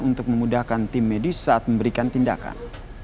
untuk memudahkan tim medis saat memberikan tindakan